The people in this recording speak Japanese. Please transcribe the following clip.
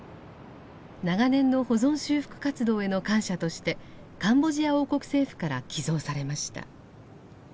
長年の保存修復活動への感謝としてカンボジア王国政府から寄贈されました。